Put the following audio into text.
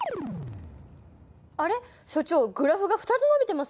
あれ所長グラフが２つ伸びてます。